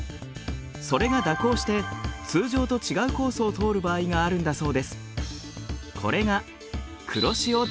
それが蛇行して通常と違うコースを通る場合があるんだそうです。